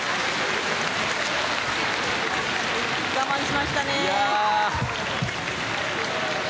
よく我慢しましたね。